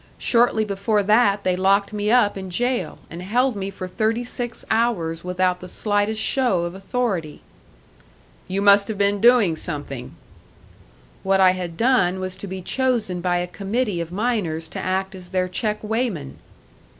Shortly before that they locked me up in jail, and held me for thirty six hours without the slightest show of authority." "You must have been doing something!" "What I had done was to be chosen by a committee of miners to act as their check weighman."